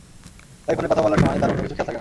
তাই ফোনে কথা বলার সময় তার অন্য কিছু খেয়াল থাকে না।